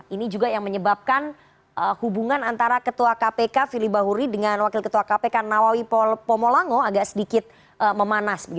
ini juga yang menyebabkan hubungan antara ketua kpk fili bahuri dengan wakil ketua kpk nawawi pomolango agak sedikit memanas